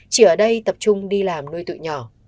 chị ở đây tập trung đi làm nuôi tụi nhỏ